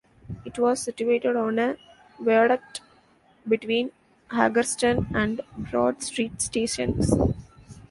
It was situated on a viaduct between Haggerston and Broad Street stations.